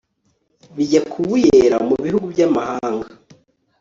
bijya kubuyera mu bihugu by'amahanga